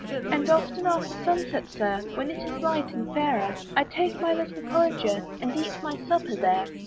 "And often after sunset, Sir, "When it is light and fair, "I take my little porringer, "And eat my supper there.